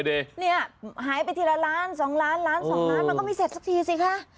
เนี่ยหายไปทีละล้าน๒ล้านล้าน๒ล้านมันก็ไม่เสร็จสักทีสิคะ